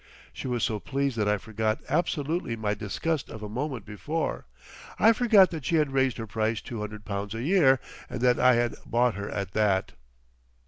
She was so pleased that I forgot absolutely my disgust of a moment before. I forgot that she had raised her price two hundred pounds a year and that I had bought her at that.